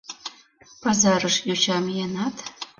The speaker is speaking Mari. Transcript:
Пазарыш йоча миенат